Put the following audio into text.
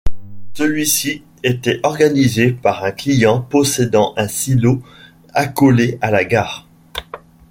Celui-ci était organisé par un client possédant un silo accolé à la gare.